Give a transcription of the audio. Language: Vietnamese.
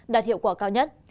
đạt hiệu quả cao nhất